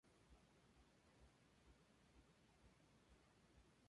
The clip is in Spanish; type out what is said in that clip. Vivió durante el Cretácico Superior en Marruecos.